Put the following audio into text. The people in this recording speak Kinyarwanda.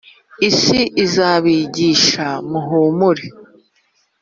isi izabigisha muhumure.